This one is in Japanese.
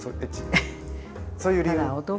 そういう理由？